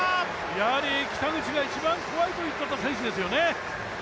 やはり北口が一番怖いと言っていた選手ですよね。